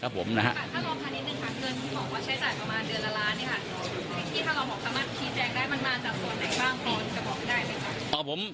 ถ้าลองพอประมาณชีแจงได้มากจากส่วนไหนบ้าง